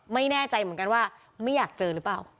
ไม่แน่ใจเหมือนกันว่าไม่อยากเจอหรือเปล่า